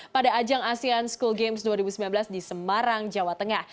pada ajang asean school games dua ribu sembilan belas di semarang jawa tengah